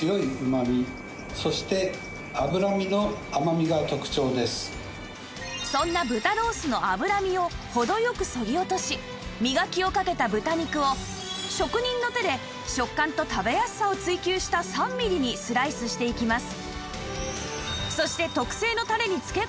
実はそんな豚ロースの脂身を程良くそぎ落としみがきをかけた豚肉を職人の手で食感と食べやすさを追求した３ミリにスライスしていきます